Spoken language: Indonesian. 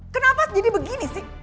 kenapa jadi begini sih